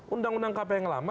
undang undang kpk yang lama